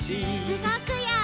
うごくよ！